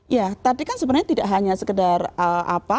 ya tadi kan sebenarnya tidak hanya sekedar apa